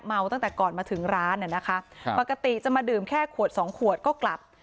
ตั้งแต่ก่อนมาถึงร้านน่ะนะคะปกติจะมาดื่มแค่ขวดสองขวดก็กลับ